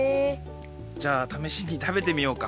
じゃあためしに食べてみようか。